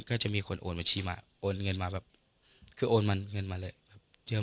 ก็จะมีคนโอนบัญชีมาโอนเงินมาแบบคือโอนมันเงินมาเลยครับ